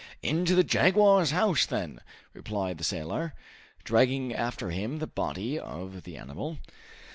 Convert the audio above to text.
"Into the jaguar's house, then!" replied the sailor, dragging after him the body of the animal.